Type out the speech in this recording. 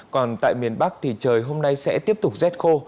còn tại miền bắc thì trời hôm nay sẽ tiếp tục rét khô